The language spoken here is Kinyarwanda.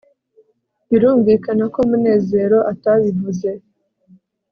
birumvikana ko munezero atabivuze